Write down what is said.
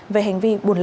về hành vi buồn lậu